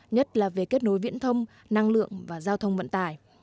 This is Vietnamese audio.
nhất là về kết nối viễn thông năng lượng và giao thông vận tải